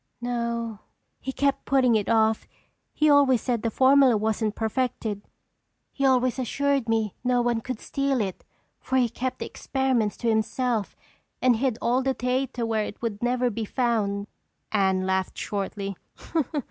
"No, he kept putting it off. He always said the formula wasn't perfected. He always assured me no one could steal it for he kept the experiments to himself and hid all the data where it would never be found." Anne laughed shortly.